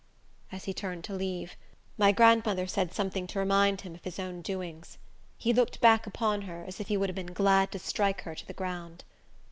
As he turned to leave, my grandmother said something to remind him of his own doings. He looked back upon her, as if he would have been glad to strike her to the ground.